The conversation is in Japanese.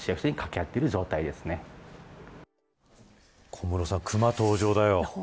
小室さん、クマ登場だよ。